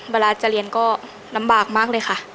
เวลาจะเรียนก็ลำบากมากเลยค่ะ